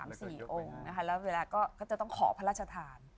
มี๔องร์จะต้องขอพระราชทาน